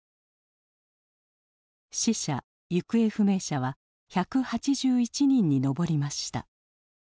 死者・行方不明者は１８１人に上りました。